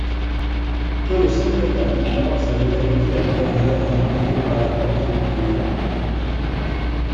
Quelle secrète influence avait averti la vierge engendrée par la force du héros?